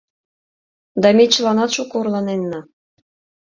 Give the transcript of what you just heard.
Да ме чыланат шуко орланенна.